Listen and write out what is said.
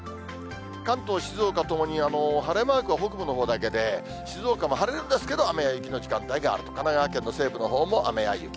関東、静岡ともに晴れマークは北部のほうだけで、静岡も晴れるんですけど、雨や雪の時間帯があると、神奈川県の西部のほうも雨や雪。